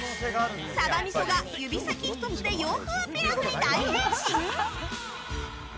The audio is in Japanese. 鯖味噌が指先１つで洋風ピラフに大変身？